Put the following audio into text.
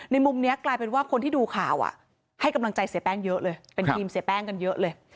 มุมนี้กลายเป็นว่าคนที่ดูข่าวให้กำลังใจเสียแป้งเยอะเลยเป็นทีมเสียแป้งกันเยอะเลย